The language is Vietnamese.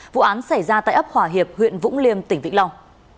vụ án xảy ra tại ấp hòa hiệp huyện vũng liêm tỉnh vĩnh long